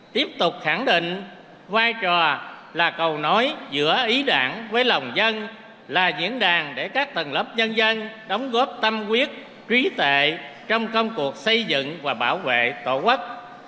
tiếp tục khẳng định vai trò là cầu nói giữa ý đảng với lòng dân là diễn đàn để các tầng lớp nhân dân đóng góp tâm quyết trí tệ trong công cuộc xây dựng và bảo vệ tổ quốc